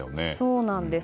そうなんです。